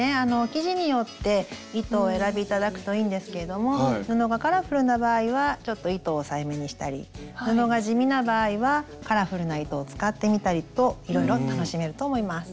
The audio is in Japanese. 生地によって糸を選び頂くといいんですけれども布がカラフルな場合はちょっと糸を抑えめにしたり布が地味な場合はカラフルな糸を使ってみたりといろいろ楽しめると思います。